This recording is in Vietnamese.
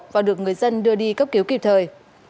và được người dân đưa đi cấp cứu kịp thời